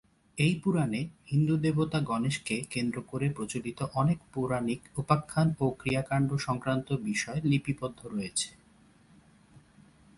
এই পুরাণে হিন্দু দেবতা গণেশকে কেন্দ্র করে প্রচলিত অনেক পৌরাণিক উপাখ্যান ও ক্রিয়াকাণ্ড-সংক্রান্ত বিষয় লিপিবদ্ধ রয়েছে।